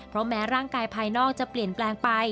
เพราะแม้ร่างกายภายนอกจะเปลี่ยนแปลงไป